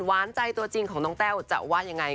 หวานใจตัวจริงของน้องแต้วจะว่ายังไง